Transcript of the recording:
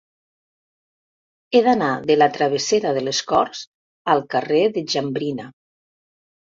He d'anar de la travessera de les Corts al carrer de Jambrina.